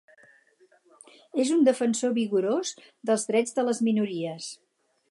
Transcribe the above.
És un defensor vigorós dels drets de les minories.